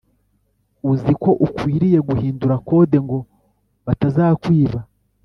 Uziko ukwiriye guhindura code ngo batazakwiba